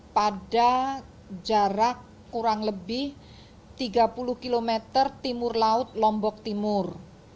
pada jarak kurang lebih tiga puluh km timur laut lombok timur